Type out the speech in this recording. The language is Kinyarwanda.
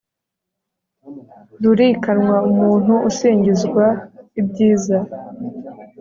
rurikanwa umuntu usingizwa ibyiza